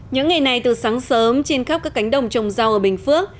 những ngày này từ sáng sớm trên khắp các cánh đồng trồng rau ở bình phước